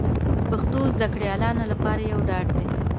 پښتو زده کړیالانو لپاره یو ډاډ دی